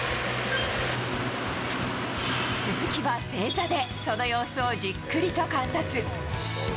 鈴木は正座でその様子をじっくりと観察。